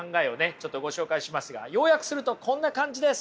ちょっとご紹介しますが要約するとこんな感じです。